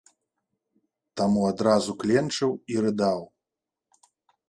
Таму адразу кленчыў і рыдаў!